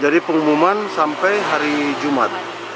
jadi pengumuman sampai hari jumat